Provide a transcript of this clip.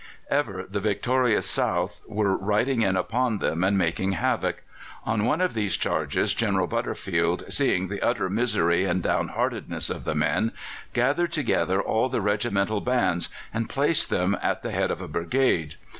Ever the victorious South were riding in upon them and making havoc. On one of these charges General Butterfield, seeing the utter misery and downheartedness of the men, gathered together all the regimental bands and placed them at the head of a brigade.